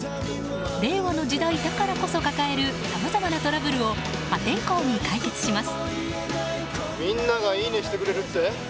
令和の時代だからこそ抱えるさまざまなトラブルを破天荒に解決します。